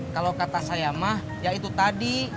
kalau kata saya mah ya itu tadi